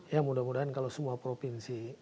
ya mudah mudahan kalau semua provinsi